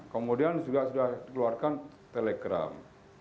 kemudian juga sudah dikeluarkan telegram